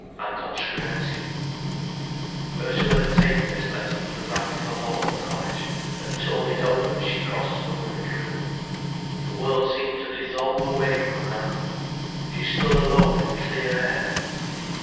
Anton Skrebensky Ursula had taken this letter from the rack in the hall at college, and torn it open as she crossed to the Women's room. The world seemed to dissolve away from around her, she stood alone in clear air.